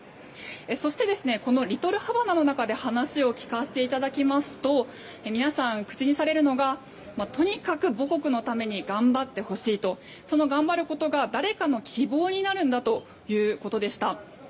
そして、リトルハバナの中で話を聞かせていただきますと皆さん、口にされるのがとにかく母国のために頑張ってほしいとその頑張ることが誰かの希望になるんだということでした。